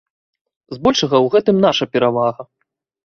Збольшага ў гэтым наша перавага.